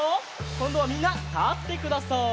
こんどはみんなたってください。